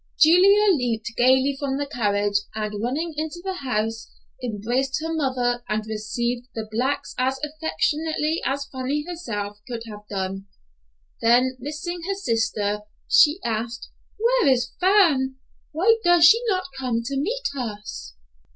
Julia leaped gayly from the carriage, and running into the house, embraced her mother, and received the blacks as affectionately as Fanny herself could have done; then missing her sister, she asked, "Where is Fan? Why does she not come to meet me?"